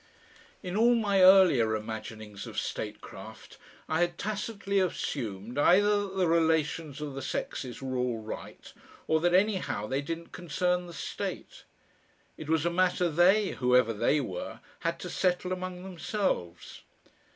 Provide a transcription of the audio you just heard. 2 In all my earlier imaginings of statecraft I had tacitly assumed either that the relations of the sexes were all right or that anyhow they didn't concern the state. It was a matter they, whoever "they" were, had to settle among themselves.